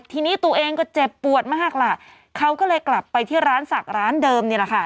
ทีนี้ตัวเองก็เจ็บปวดมากล่ะเขาก็เลยกลับไปที่ร้านศักดิ์ร้านเดิมนี่แหละค่ะ